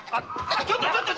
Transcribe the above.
ちょっとちょっと！